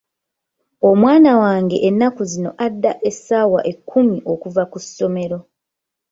Omwana wange ennaku zino adda essaawa ekkumi okuva ku ssomero.